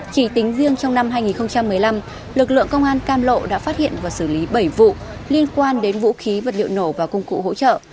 chỉ tính riêng trong năm hai nghìn một mươi năm lực lượng công an cam lộ đã phát hiện và xử lý bảy vụ liên quan đến vũ khí vật liệu nổ và công cụ hỗ trợ